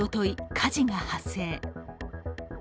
火事が発生。